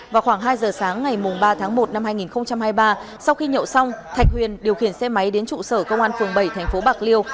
vào khoảng hai giờ sáng ngày ba tháng một năm hai nghìn hai mươi ba sau khi nhậu xong thạch huyền điều khiển xe máy đến trụ sở công an phường bảy tp bạc liêu